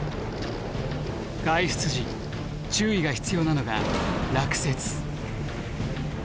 外出時注意が必要なのが落雪。